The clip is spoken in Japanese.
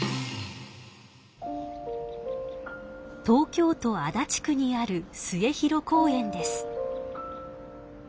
東京都足立区にある末広公園です。